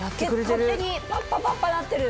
パッパパッパなってる。